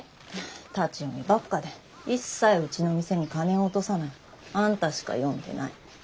立ち読みばっかで一切うちの店に金を落とさないあんたしか読んでない。